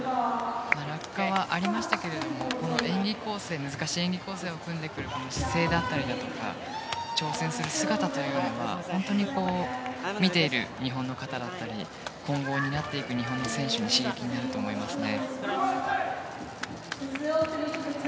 落下はありましたけど難しい演技構成を組んでくるこの姿勢だったりだとか挑戦する姿というのは本当に見ている日本の方だったり今後を担っていく日本の選手の刺激になると思いますね。